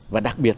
và đặc biệt